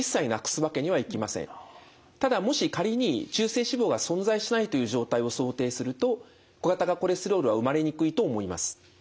ただもし仮に中性脂肪が存在しないという状態を想定すると小型化コレステロールは生まれにくいと思います。